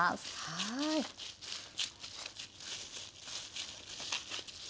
はい。